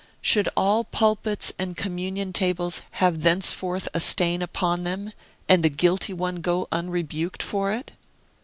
Should all pulpits and communion tables have thenceforth a stain upon them, and the guilty one go unrebuked for it?